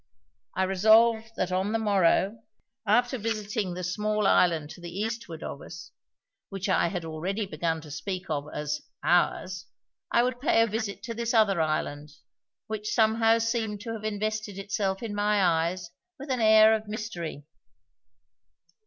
I resolved that on the morrow, after visiting the small island to the eastward of us, which I already began to speak of as "ours", I would pay a visit to this other island, which somehow seemed to have invested itself in my eyes with an air of mystery.